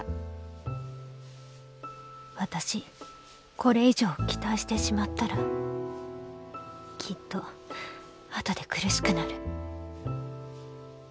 「私、これ以上期待してしまったらきっと後で苦しくなる」。